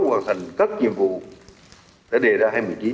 hoàn thành các nhiệm vụ đã đề ra hai nghìn một mươi chín